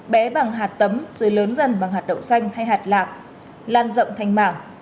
bé bằng hạt tấm dưới lớn dần bằng hạt đậu xanh hay hạt lạc lan rộng thành mảng